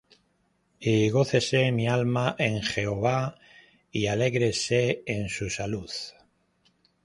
Y gócese mi alma en Jehová; Y alégrese en su salud.